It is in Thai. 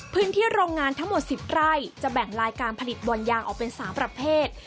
โรงงานทั้งหมด๑๐ไร่จะแบ่งลายการผลิตบ่อนยางออกเป็น๓ประเภท